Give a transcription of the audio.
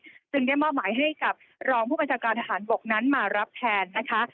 สิ่งที่ได้มอบหมายให้กับรองผูกการฐานทหารบกงานนั้นมารับแทนนะคะ